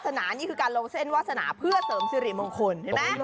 วาสนานี่คือการลงเส้นวาสนาเพื่อเสริมสิริมงคล